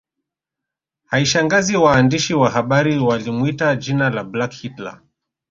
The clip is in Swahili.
Haishangazi waandishi wa habari walimwita jina la Black Hitler